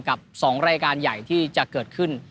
กับ๒รายการใหญ่ที่จะเกิดขึ้น